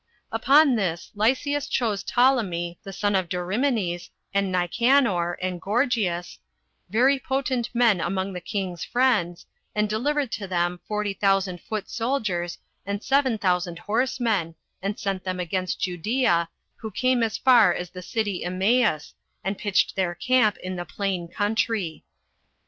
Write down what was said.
3. Upon this Lysias chose Ptolemy, the son of Dorymenes, and Nicanor, and Gorgias, very potent men among the king's friends, and delivered to them forty thousand foot soldiers, and seven thousand horsemen, and sent them against Judea, who came as far as the city Emmaus, and pitched their camp in the plain country.